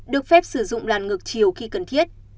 được phép sử dụng làn ngược chiều khi cần thiết